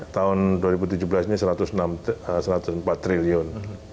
tahun dua ribu tujuh belas ini satu ratus empat triliun